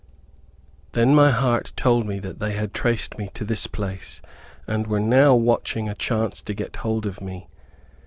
Then my heart told me that they had traced me to this place, and were now watching a chance to get hold of me.